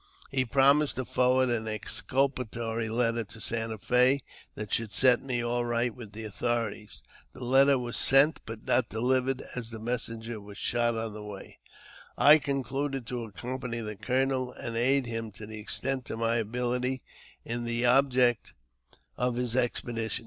He promised to forward an exculpatory letter to Santa Fe that should set me all right with the authorities. The letter was sent, but not delivered, as the messenger was shot on the way. I concluded to accompany the colonel, and aid him to the extent of my ability in the object of his expedition.